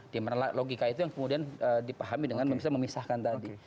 dimana logika itu yang kemudian dipahami dengan bisa memisahkan tadi